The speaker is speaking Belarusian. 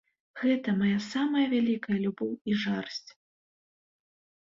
Гэта мая самая вялікая любоў і жарсць.